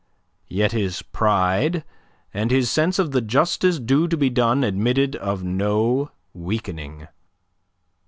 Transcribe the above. Yet his pride and his sense of the justice due to be done admitted of no weakening.